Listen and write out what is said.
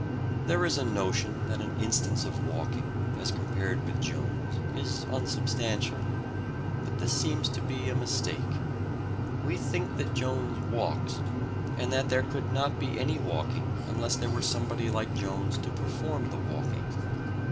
There is a notion that an instance of walking, as compared with Jones, is unsubstantial, but this seems to be a mistake. We think that Jones walks, and that there could not be any walking unless there were somebody like Jones to perform the walking.